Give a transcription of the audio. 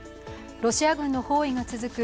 ロシア軍の包囲が続く